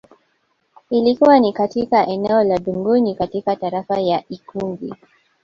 Ilikuwa ni katika eneo la Dungunyi katika tarafa ya Ikungi